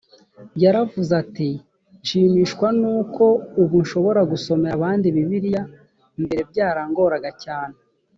yaravuze ati nshimishwa n uko ubu nshobora gusomera abandi bibiliya mbere byarangoraga cyane